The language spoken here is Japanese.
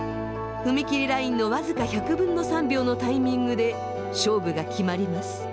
踏み切りラインの僅か１００分の３秒のタイミングで勝負が決まります。